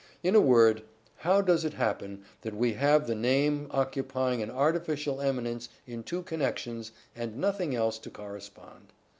In a word, how does it happen that we have the name occupying an artificial eminence in two connections and nothing else to correspond